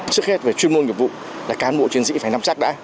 trước hết về chuyên môn nghiệp vụ là cán bộ chiến sĩ phải nắm chắc đã